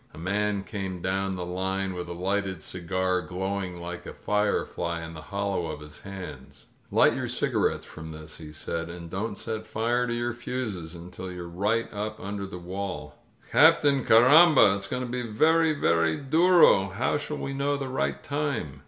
A man came down the line with a lighted cigar glowing like a firefly in the hollow of his hands. "Light your cigarettes from this," he said, and don't set fire to your fuses unti) you're right up under the wall." "Captain, carrambal It's going to be very, very durol How shall we know the right time?"